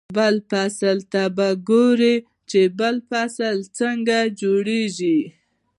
بل فصل ته به ګوري چې بل فصل څنګه جوړېږي.